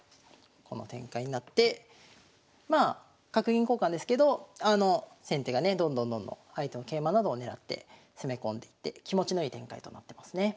この展開になってまあ角銀交換ですけどあの先手がねどんどんどんどん相手の桂馬などを狙って攻め込んでいって気持ちのいい展開となってますね。